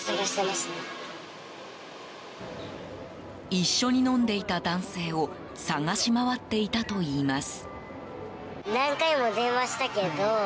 一緒に飲んでいた男性を探し回っていたといいます。